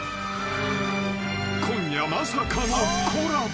［今夜まさかのコラボ］